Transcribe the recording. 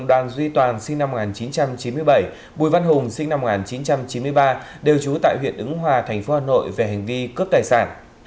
tuy toàn sinh năm một nghìn chín trăm chín mươi bảy bùi văn hùng sinh năm một nghìn chín trăm chín mươi ba đều trú tại huyện ứng hòa tp hà nội về hành vi cướp tài sản